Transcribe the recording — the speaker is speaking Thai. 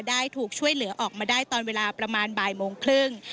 ได้ถูกช่วยเหลือออกมาได้ตอนเวลาประมาณบ่ายโมงครึ่ง